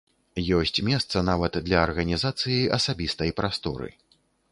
Ёсць месца нават для арганізацыі асабістай прасторы.